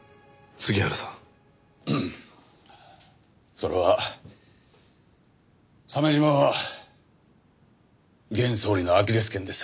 それは鮫島は現総理のアキレス腱です。